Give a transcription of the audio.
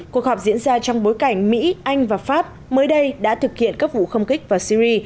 cuộc họp diễn ra trong bối cảnh mỹ anh và pháp mới đây đã thực hiện các vụ không kích vào syri